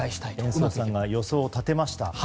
延増さんが予想を立てました。